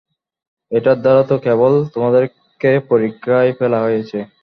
এটার দ্বারা তো কেবল তোমাদেরকে পরীক্ষায় ফেলা হয়েছে।